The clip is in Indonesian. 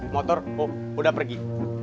motor udah pergi